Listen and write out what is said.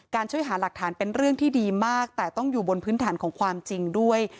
ช่วยหาหลักฐานเป็นเรื่องที่ดีมากแต่ต้องอยู่บนพื้นฐานของความจริงด้วย